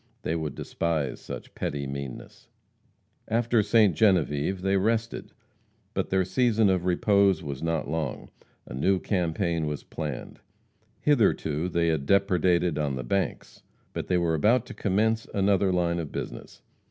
They would despise such petty meanness. After Ste. Genevieve they rested. But their season of repose was not long. A new campaign was planned. Hitherto they had depredated on the banks. But they were about to commence another line of business.